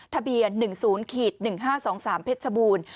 ทะเบียน๑๐๑๕๒๓เพชรชบูรณ์